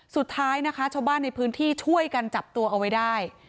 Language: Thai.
สุดท้ายนะคะชาวบ้านในพื้นที่ช่วยกันจับตัวเอาไว้ได้